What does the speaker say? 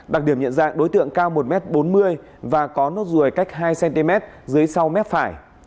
đặc điểm nhận dạng đối tượng cao một m bốn mươi và có nốt ruồi cách hai cm dưới sau mép phải